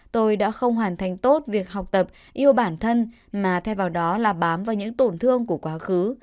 tôi đã không hoàn thành tốt việc học tập yêu bản thân mà thay vào đó là bám vào những tổn thương của quá khứ